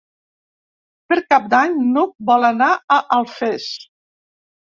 Per Cap d'Any n'Hug vol anar a Alfés.